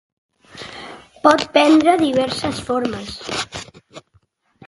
Pot prendre diverses formes.